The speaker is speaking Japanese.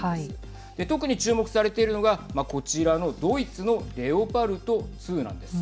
特に注目されているのがこちらのドイツのレオパルト２なんです。